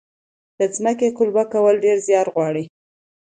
د ځمکې قلبه کول ډیر زیار غواړي.